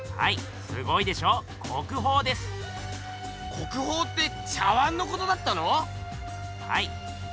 国宝って茶碗のことだったの⁉はい。